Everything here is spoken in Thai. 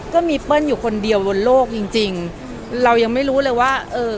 ก็มีเปิ้ลอยู่คนเดียวบนโลกจริงจริงเรายังไม่รู้เลยว่าเออ